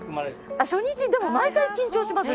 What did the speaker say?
あっ初日でも毎回緊張します